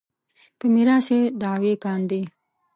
په میراث یې دعوې کاندي.